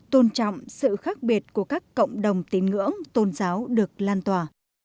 tôn trọng sự khác biệt của các cộng đồng tín ngưỡng tôn giáo được lan tỏa